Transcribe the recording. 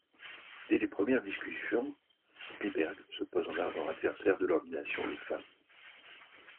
Dès les premières discussions, Klyberg se pose en ardent adversaire de l'ordination des femmes.